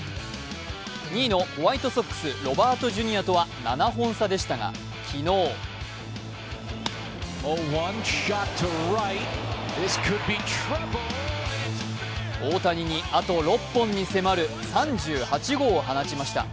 ２位のホワイトソックス、ロバート・ジュニアとは７本差でしたが昨日大谷にあと６本に迫る３８号を放ちました。